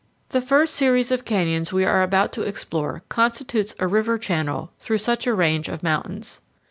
The first series of canyons we are about to explore constitutes a river channel through such a range of mountains.